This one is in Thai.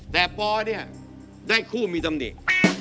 แต่ป่อเนี่ยได้คู่มีดำเด็ด